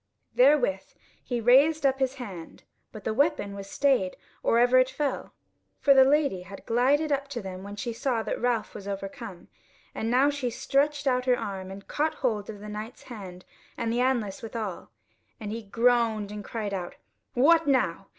Therewith he raised up his hand: but the weapon was stayed or ever it fell, for the Lady had glided up to them when she saw that Ralph was overcome, and now she stretched out her arm and caught hold of the Knight's hand and the anlace withal, and he groaned and cried out: "What now!